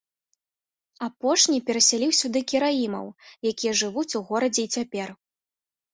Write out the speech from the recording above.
Апошні перасяліў сюды караімаў, якія жывуць у горадзе і цяпер.